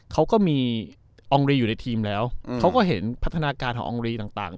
เขาก็มีอองรีอยู่ในทีมแล้วเขาก็เห็นพัฒนาการของอองรีต่าง